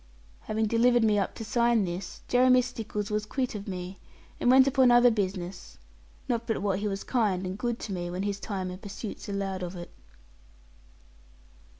Having delivered me up to sign this, Jeremy Stickles was quit of me, and went upon other business, not but what he was kind and good to me, when his time and pursuits allowed of it.